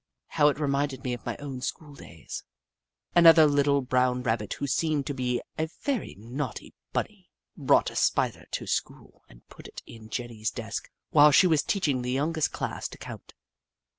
How it reminded me of my own school days ! Another little brown Rabbit, who seemed to be a very naughty bunny, brought a Spider to school and put it in Jenny's desk while she was teaching the youngest class to count.